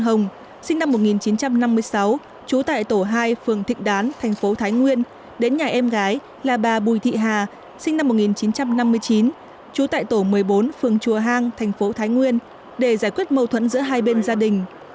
bà bùi hồng sinh năm một nghìn chín trăm năm mươi sáu trú tại tổ hai phường thịnh đán thành phố thái nguyên đến nhà em gái là bà bùi thị hà sinh năm một nghìn chín trăm năm mươi chín trú tại tổ một mươi bốn phường chùa hang thành phố thái nguyên để giải quyết mâu thuẫn giữa hai bên gia đình